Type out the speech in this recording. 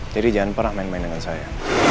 jadi jangan pernah main main dengan saya